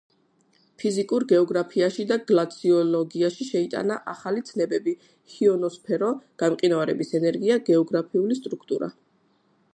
ფიზიკურ გეოგრაფიაში და გლაციოლოგიაში შეიტანა ახალი ცნებები: ჰიონოსფერო, გამყინვარების ენერგია, გეოგრაფიული სტრუქტურა.